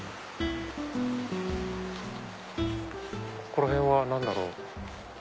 ここら辺は何だろう？